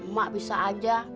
mak bisa aja